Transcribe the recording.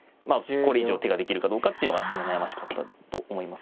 これ以上手ができるかどうかっていうのが今悩ましかったと思います。